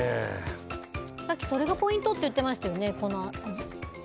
さっき、それがポイントって言ってましたよね。